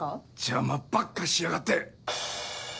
邪魔ばっかしやがって！